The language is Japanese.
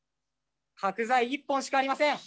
角材一本しかありません。